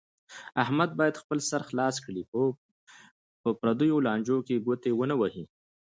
احمد باید خپل سر خلاص کړي، په پریو لانجو کې ګوتې و نه وهي.